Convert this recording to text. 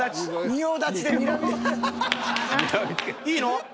いいの？